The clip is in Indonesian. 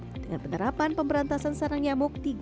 dengan penerapan pemberantasan sarang nyamuk